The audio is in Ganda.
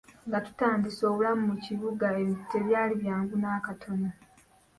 Nga tutandise obulamu mu kibuga ebintu tebyali byangu n'akatono.